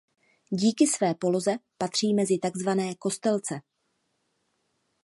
Díky své poloze patří mezi takzvané kostelce.